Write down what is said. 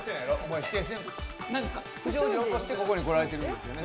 不祥事を起こして今ここに来られてるんですよね。